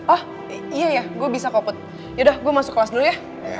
oh iya ya gue bisa kok yaudah gue masuk kelas dulu ya